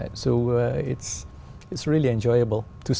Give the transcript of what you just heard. tôi thấy nó rất tốt